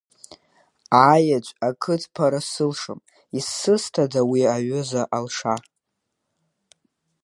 Аеҵә акыдԥаара сылшом, исызҭада уи аҩыза алша.